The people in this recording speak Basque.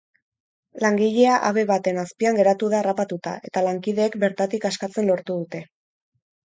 Langilea habe baten azpian geratu da harrapatuta eta lankideek bertatik askatzen lortu dute.